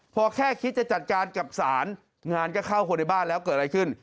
พอแค่คิดจะจัดการกับศาลงานก็เข้าคนในบ้านแล้วเกิดอะไรขึ้น